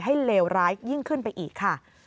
เลวร้ายยิ่งขึ้นไปอีกค่ะ